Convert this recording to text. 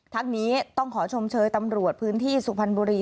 ทั้งนี้ต้องขอชมเชยตำรวจพื้นที่สุพรรณบุรี